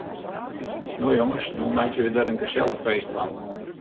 No jonges, no meitsje we der in gesellich feest fan.